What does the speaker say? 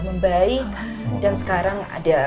membaik dan sekarang ada